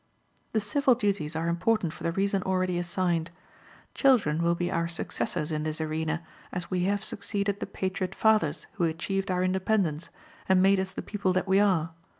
The civil duties are important for the reason already assigned. Children will be our successors in this arena, as we have succeeded the patriot fathers who achieved our independence, and made us the people that we are.